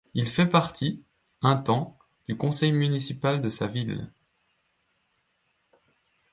Il fait partie, un temps, du conseil municipal de sa ville.